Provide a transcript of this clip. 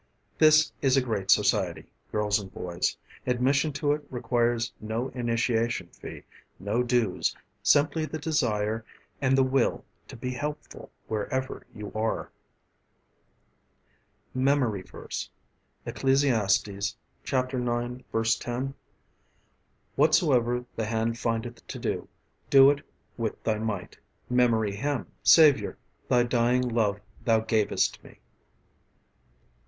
This is a great society, girls and boys. Admission to it requires no initiation fee, no dues, simply the desire and the will to be helpful wherever you are. MEMORY VERSE, Ecclesiastes 9: 10 "Whatsoever thy hand findeth to do, do it with thy might." MEMORY HYMN _"Saviour, thy dying love thou gavest me."